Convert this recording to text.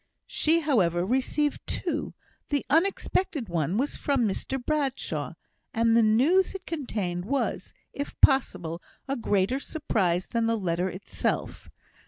She, however, received two; the unexpected one was from Mr Bradshaw, and the news it contained was, if possible, a greater surprise than the letter itself.